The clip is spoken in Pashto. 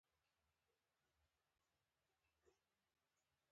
د خوړو بانکونه هلته شته.